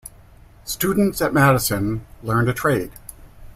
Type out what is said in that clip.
Students at Madison learned a trade.